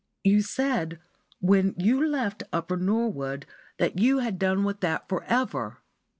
"You said, when you left Upper Norwood, that you had done with that for ever."